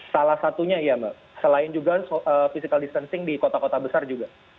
salah satunya iya mbak selain juga physical distancing di kota kota besar juga